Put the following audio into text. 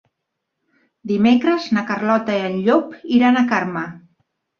Dimecres na Carlota i en Llop iran a Carme.